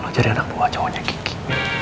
lo jadi anak buah cowoknya giki